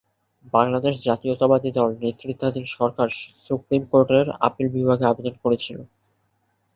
বাংলাদেশ জাতীয়তাবাদী দল নেতৃত্বাধীন সরকার সুপ্রিম কোর্টের আপিল বিভাগে আবেদন করেছিল।